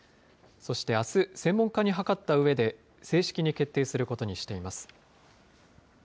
そしてあす、専門家に諮ったうえで、正式に決定することにしています。